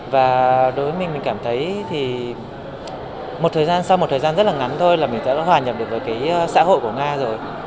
và đối với mình mình cảm thấy thì một thời gian sau một thời gian rất là ngắn thôi là mình đã hòa nhập được với xã hội của nga rồi